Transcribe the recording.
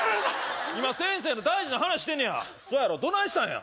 今先生と大事な話してんねやそやろどないしたんや？